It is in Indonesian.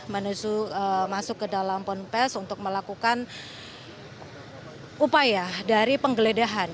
menuju masuk ke dalam ponpes untuk melakukan upaya dari penggeledahan